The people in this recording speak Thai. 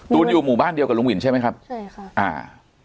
อยู่หมู่บ้านเดียวกับลุงวินใช่ไหมครับใช่ค่ะอ่า